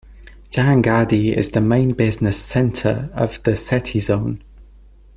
Dhangadhi is the main business centre of the Seti Zone.